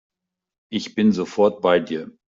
Ich bin sofort bei dir.